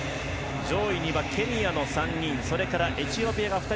上位にはケニアの３人それから、エチオピアが２人。